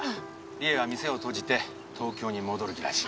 理恵は店を閉じて東京に戻る気らしい。